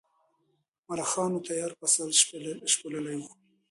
ملخانو تیار فصل شپېلولی و.